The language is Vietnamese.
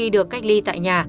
được cách ly tại nhà